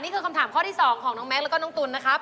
คำถามข้อที่๒ของน้องแม็กซ์แล้วก็น้องตุ๋นนะครับ